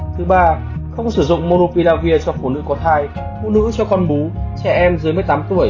thứ ba không sử dụng moropidavir cho phụ nữ có thai phụ nữ cho con bú trẻ em dưới một mươi tám tuổi